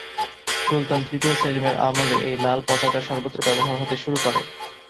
সুলতান তৃতীয় সেলিমের আমলে এই লাল পতাকা সর্বত্র ব্যবহৃত হতে শুরু করে।